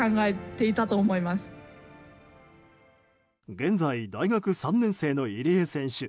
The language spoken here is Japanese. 現在、大学３年生の入江選手。